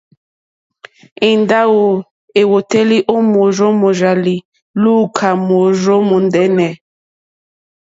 Èndáwò èwòtélì ó mòrzó mòrzàlì lùúkà móòrzó mòndɛ́nɛ̀.